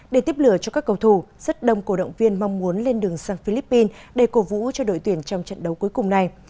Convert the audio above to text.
để tiếp lửa cho các cầu thủ rất đông cổ động viên mong muốn lên đường sang philippines để cổ vũ cho đội tuyển trong trận đấu cuối cùng này